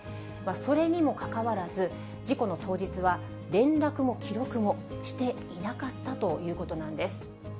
それにもかかわらず、事故の当日は、連絡も記録もしていなかったということなんです。